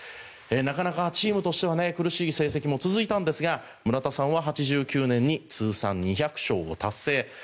なかなかチームとしては苦しい成績も続いたんですが村田さんは８９年に通算２００勝を達成。